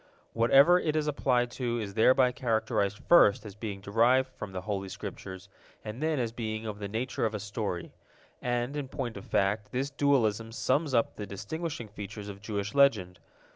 Whatever it is applied to is thereby characterized first as being derived from the Holy Scriptures, and then as being of the nature of a story. And, in point of fact, this dualism sums up the distinguishing features of Jewish Legend.